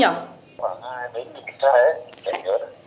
khoảng hai mấy nghìn đồng xe đấy